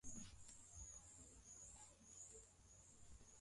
haki zao kama haki zao wanaanza kutishiwa